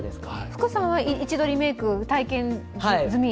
福さんは一度リメーク体験済み？